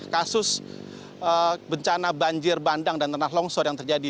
kasus bencana banjir bandang dan tanah longsor yang terjadi